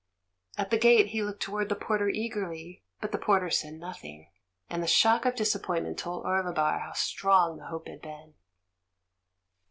At the gate he looked towards the porter eagerly, but the porter said nothing, and the shock of disappointment told Orlebar how strong the hope had been.